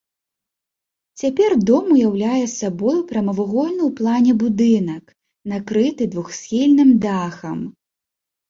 Цяпер дом уяўляе сабой прамавугольны ў плане будынак накрыты двухсхільным дахам.